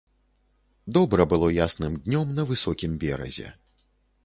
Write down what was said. Добра было ясным днём на высокім беразе.